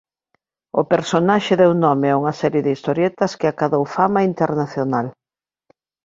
O personaxe deu nome a unha serie de historietas que acadou fama internacional.